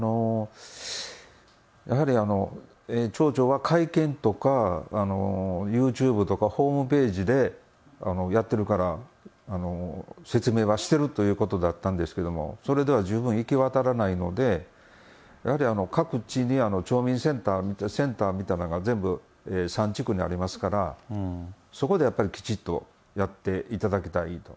やはり町長は会見とかユーチューブとか、ホームページでやってるから、説明はしてるということだったんですけれども、それでは十分行き渡らないので、やはり各地に町民センターみたいなのが全部、３地区にありますから、そこでやっぱりきちっとやっていただきたいと。